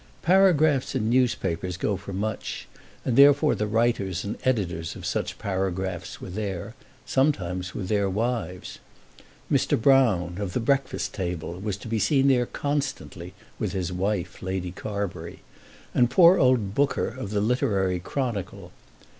Paragraphs in newspapers go for much, and therefore the writers and editors of such paragraphs were there, sometimes with their wives. Mr. Broune, of the "Breakfast Table," was to be seen there constantly, with his wife Lady Carbury, and poor old Booker of the "Literary Chronicle."